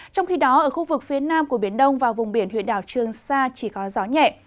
trong khi đó ở khu vực phía nam của biển đông và vùng biển huyện đảo trường sa chỉ có gió nhẹ